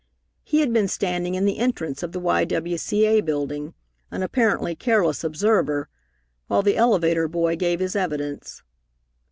He had been standing in the entrance of the Y.W.C.A. Building, an apparently careless observer, while the elevator boy gave his evidence.